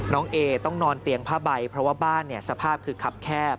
เอต้องนอนเตียงผ้าใบเพราะว่าบ้านเนี่ยสภาพคือคับแคบ